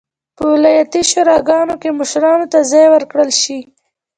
په ولایتي شوراګانو کې مشرانو ته ځای ورکړل شي.